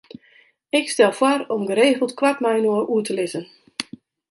Ik stel foar om geregeld koart mei-inoar oer te lizzen.